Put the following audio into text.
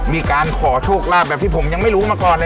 มีการขอโชคลาภแบบที่ผมยังไม่รู้มาก่อนเลย